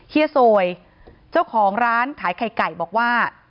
เฮียโซยเจ้าของร้านขายไข่ไก่บอกว่า